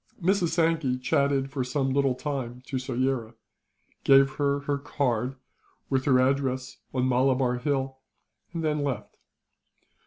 Mrs. Sankey chatted for some little time to Soyera; gave her her card, with her address on Malabar Hill; and then left.